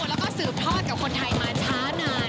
แล้วก็สืบทอดกับคนไทยมาช้านาน